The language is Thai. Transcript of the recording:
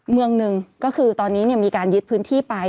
เมืองหนึ่งก็คือตอนนี้มีการยึดพื้นที่ไป